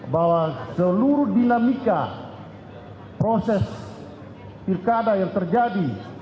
bahwa seluruh dinamika proses pilkada yang terjadi